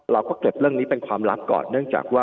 เราก็เก็บเรื่องนี้เป็นความลับก่อน